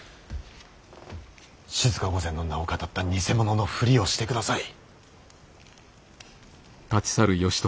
静御前の名をかたった偽者のふりをしてください。